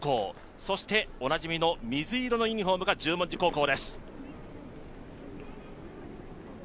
そしておなじみの水色のユニフォームが十文字高校です。